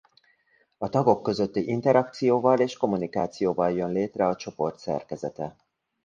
A tagok közötti interakcióval és kommunikációval jön létre a csoport szerkezete.